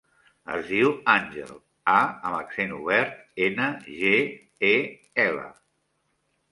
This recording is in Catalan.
Es diu Àngel: a amb accent obert, ena, ge, e, ela.